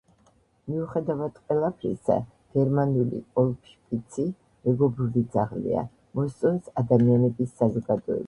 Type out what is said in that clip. მიუხედავად ყველაფრისა, გერმანული ვოლფშპიცი მეგობრული ძაღლია, მოსწონს ადამიანების საზოგადოება.